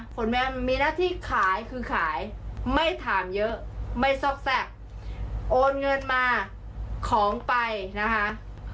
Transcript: คุณแม่มีหน้าที่ขายคือขายไม่ถามเยอะไม่ซอกแทรกโอนเงินมาของไปนะคะ